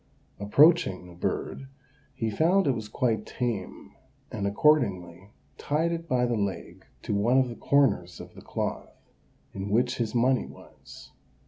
Approaching the bird, he found it was quite tame, and accordingly tied it by the leg to one of the corners of the cloth, in which his money was.